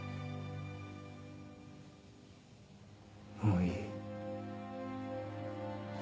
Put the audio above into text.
もういい。